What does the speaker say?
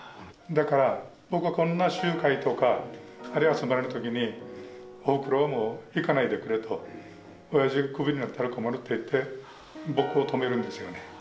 だから僕はこんな集会とかあるいは集まる時におふくろはもう行かないでくれとおやじがクビになったら困ると言って僕を止めるんですよね。